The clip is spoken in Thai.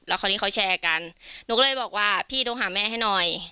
คราวนี้เขาแชร์กันหนูก็เลยบอกว่าพี่โทรหาแม่ให้หน่อย